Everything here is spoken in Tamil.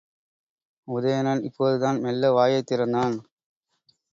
உதயணன் இப்போதுதான் மெல்ல வாயைத் திறந்தான்.